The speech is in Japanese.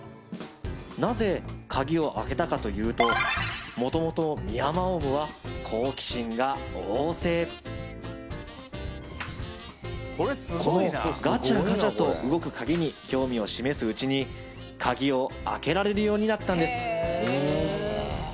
なぜ鍵を開けたかというともともとこのガチャガチャと動く鍵に興味を示すうちに鍵を開けられるようになったんです